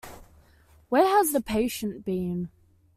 Where has the patient been?